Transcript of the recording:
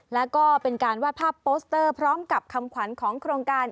แล้วก็เป็นการวาดภาพโปสเตอร์พร้อมกับคำขวัญของโครงการ